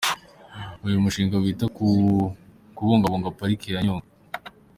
Uyu mushinga wita ku kubungabunga pariki ya Nyungwe.